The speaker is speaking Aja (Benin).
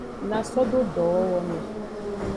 Na so do dowowo me.